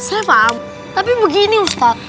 saya paham tapi begini umpak